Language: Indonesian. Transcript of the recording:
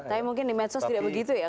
tapi mungkin di medsos tidak begitu ya